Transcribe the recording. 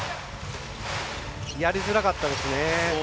やりづらかったですね。